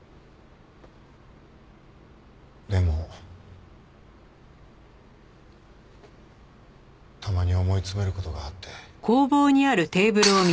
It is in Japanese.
でもたまに思い詰める事があって。